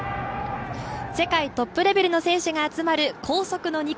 世界トップレベルの選手が集まる高速の２区。